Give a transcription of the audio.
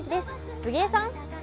杉江さん。